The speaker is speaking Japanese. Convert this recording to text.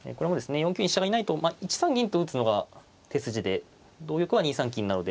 ４九に飛車がいないと１三銀と打つのが手筋で同玉は２三金なので。